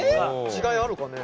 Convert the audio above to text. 違いあるかね。